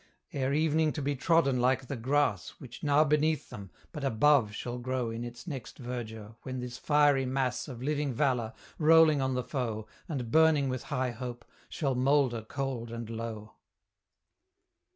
Ere evening to be trodden like the grass Which now beneath them, but above shall grow In its next verdure, when this fiery mass Of living valour, rolling on the foe, And burning with high hope, shall moulder cold and low.